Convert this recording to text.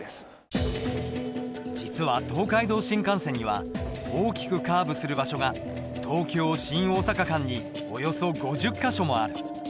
実は東海道新幹線には大きくカーブする場所が東京新大阪間におよそ５０か所もある。